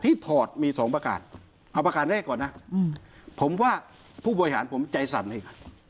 ถอดมีสองประการเอาประการแรกก่อนนะผมว่าผู้บริหารผมใจสั่นเอง